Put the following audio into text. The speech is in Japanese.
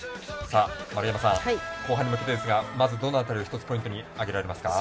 丸山さん、後半に向けてですがまずどの辺り一つポイントに挙げられますか？